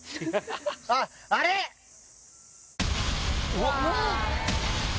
うわ！